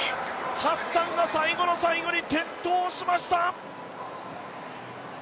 ハッサンが最後の最後に転倒しました。